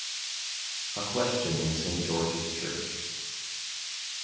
136 A QUESTION IN ST. GEORGE'S CHURCH.